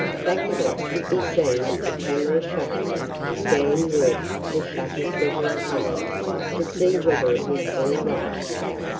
Back of it could be seen a camera shutter. Dan worked the shutter several times to see whether it was all right.